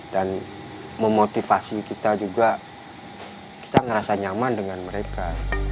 dan memotivasi kita juga kita merasa nyaman dengan mereka